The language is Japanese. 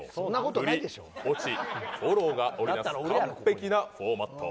フリ、オチ、フォローが織りなす完璧なフォーマット。